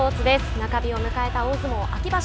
中日を迎えた大相撲秋場所。